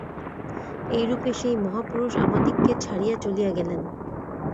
এইরূপে সেই মহাপুরুষ আমাদিগকে ছাড়িয়া চলিয়া গেলেন।